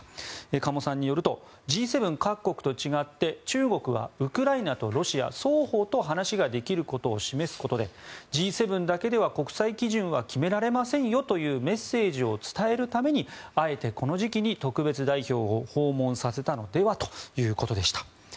加茂さんによるとＧ７各国と違って中国はウクライナとロシア双方と話ができることを示すことでＧ７だけでは国際基準は決められませんよというメッセージを伝えるためにあえてこの時期に特別代表を訪問させたのではということでした。